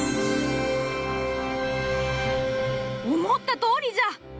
思ったとおりじゃ！